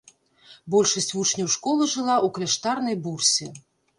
Большасць вучняў школы жыла ў кляштарнай бурсе.